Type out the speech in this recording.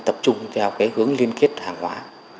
tập trung theo hướng liên kết hàng hóa